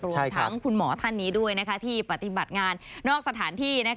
รวมทั้งคุณหมอท่านนี้ด้วยที่ปฏิบัติงานนอกสถานที่